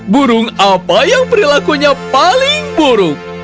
burung apa yang perilakunya paling buruk